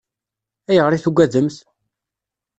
Ayɣer i tugademt?